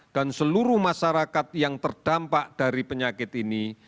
dan seluruh masyarakat yang terdampak dari penyakit ini